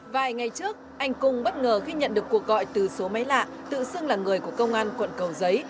vài ngày trước anh cung bất ngờ khi nhận được cuộc gọi từ số máy lạ tự xưng là người của công an quận cầu giấy